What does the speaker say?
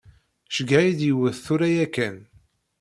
Ceyyeɛ-iyi-d yiwet tura yakan.